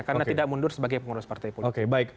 karena tidak mundur sebagai pengurus partai politik